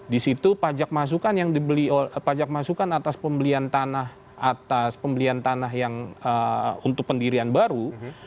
di situ pajak masukan yang dibeli pajak masukan atas pembelian tanah atas pembelian tanah yang untuk pendirian baru